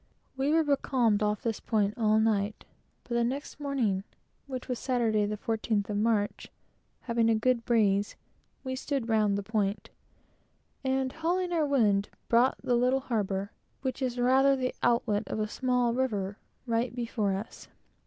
We were becalmed off this point all night, but the next morning, which was Saturday, the 14th of March, having a good breeze, we stood round the point, and hauling our wind, brought the little harbor, which is rather the outlet of a small river, right before us.